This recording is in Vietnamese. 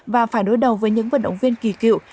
và phải đối đầu với những vận động viên kỳ cựu